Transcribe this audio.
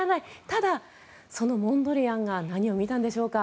ただ、そのモンドリアンが何を見たんでしょうか。